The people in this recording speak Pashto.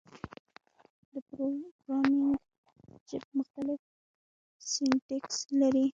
د پروګرامینګ ژبې مختلف سینټکس لري.